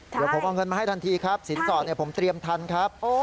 เดี๋ยวผมเอาเงินมาให้ทันทีครับสินสอดผมเตรียมทันครับ